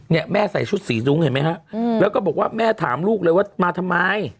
เนี่ยแม่ใส่ชุดสีดุ้งเห็นไหมฮะอืมแล้วก็บอกว่าแม่ถามลูกเลยว่ามาทำไม